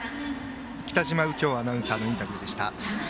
北嶋右京アナウンサーのインタビューでした。